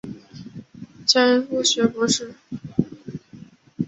迁武学博士。